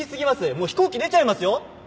もう飛行機出ちゃいますよ！